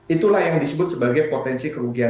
itulah yang disebut sebagai potensi kerugian